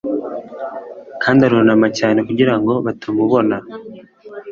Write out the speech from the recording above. Kandi arunama cyane kugirango batamubona